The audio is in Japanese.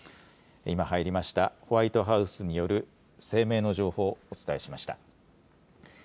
今入りましたホワイトハウスによる声明の情報、お伝えしました。